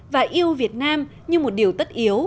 và yêu việt nam như một điều tất yếu